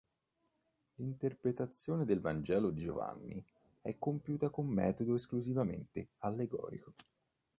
L'interpretazione del vangelo di Giovanni è compiuta con metodo esclusivamente allegorico.